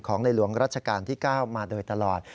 ในหลวงรัชกาลที่๙มาโดยตลอด